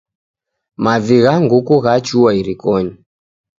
Mavi gha nguku ghachua irikonyi